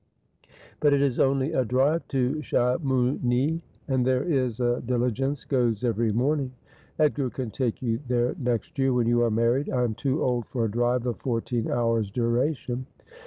' But it is only a drive to Chamounix ; and there is a dili gence goes every morning.' ' Edgar can take you there next year, when you are married. I am too old for a drive of fourteen hours' duration.'